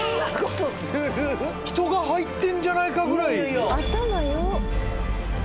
人が入ってんじゃないかぐらい。